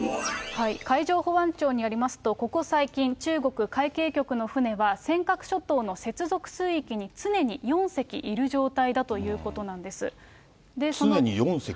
海上保安庁によりますと、ここ最近、中国海警局の船は尖閣諸島の接続水域に常に４隻いる状態だという常に４隻。